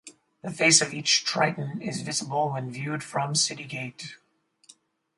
The face of each Triton is visible when viewed from City Gate.